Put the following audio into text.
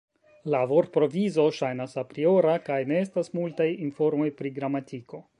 La vortprovizo ŝajnas apriora kaj ne estas multaj informoj pri gramatiko.